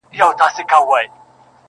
سلامۍ ته را روان یې جنرالان وه،